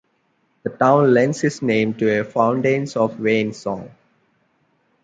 The town lends its name to a Fountains of Wayne song.